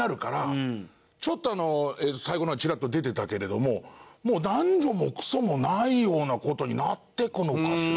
ちょっと最後の方にチラッと出てたけれどももう男女もクソもないような事になっていくのかしらっていう。